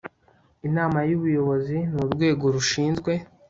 inama y ubuyobozi ni urwego rushinzwe